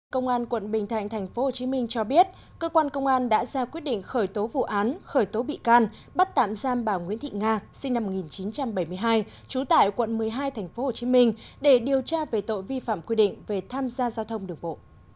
công an quận bình thạnh tp hcm cho biết cơ quan công an đã ra quyết định khởi tố vụ án khởi tố bị can bắt tạm giam bà nguyễn thị nga sinh năm một nghìn chín trăm bảy mươi hai trú tại quận một mươi hai tp hcm để điều tra về tội vi phạm quy định về tham gia giao thông đường bộ